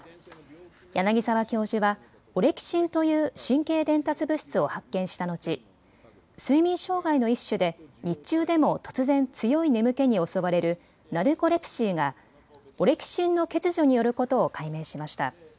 柳沢教授はオレキシンという神経伝達物質を発見した後、睡眠障害の一種で日中でも突然強い眠気に襲われるナルコレプシーがオレキシンの欠如によることを解明しました。